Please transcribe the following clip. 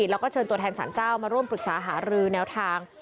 แล้วก็เชิญตัวแทนสารเจ้ามาร่วมปรึกษาหารือแนวทาง